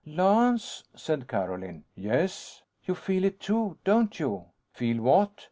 "Lance," said Carolyn. "Yes?" "You feel it too, don't you?" "Feel what?"